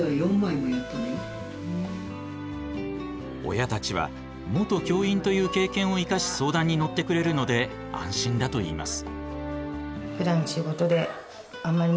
親たちは元教員という経験を生かし相談に乗ってくれるので安心だといいます。